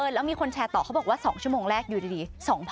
แล้วมีคนแชร์ต่อเขาบอกว่า๒ชั่วโมงแรกอยู่ดี